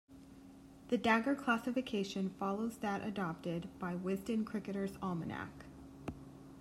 The dagger classification follows that adopted by "Wisden Cricketers' Almanack".